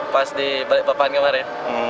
pas di balikpapan kemarin